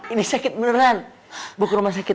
ini sakit beneran bu ke rumah sakit